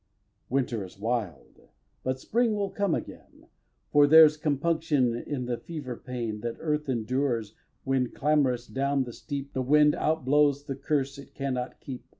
xv. Winter is wild; but spring will come again; For there's compunction in the fever pain That earth endures when, clamorous down the steep, The wind out blows the curse it cannot keep.